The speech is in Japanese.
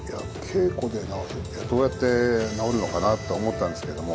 どうやって治るのかなって思ったんですけども